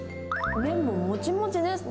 麺ももちもちですね。